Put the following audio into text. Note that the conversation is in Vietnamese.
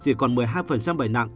chỉ còn một mươi hai bệnh nặng